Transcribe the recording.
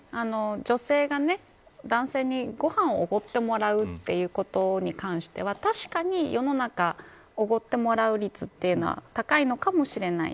女性が、男性にご飯をおごってもらうということに関しては確かに、世の中おごってもらう率というのは高いかもしれない。